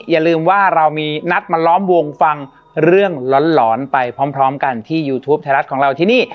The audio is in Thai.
อย่าลืมว่าเรามีนัดมาล้อมวงฟังเรื่องหลอนไปพร้อมกันที่ยูทูปไทยรัฐของเราที่นี่